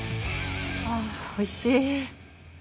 ああおいしい！